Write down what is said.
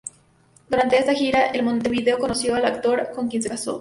Durante una gira en Montevideo, conoció a un actor, con quien se casó.